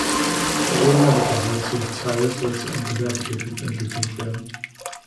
Der ehemalige Holzhof Zeil soll zu einem Gewerbegebiet entwickelt werden.